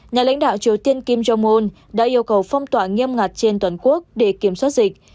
nhà lãnh đạo triều tiên kim jong un đã yêu cầu phong tỏa nghiêm ngặt trên toàn quốc để kiểm soát dịch